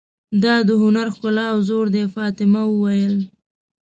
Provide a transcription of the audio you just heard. دا د هنر ښکلا او زور دی، فاطمه وویل.